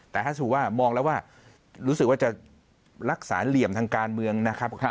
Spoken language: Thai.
แต่ถ้าสมมุติว่ามองแล้วว่ารู้สึกว่าจะรักษาเหลี่ยมทางการเมืองนะครับ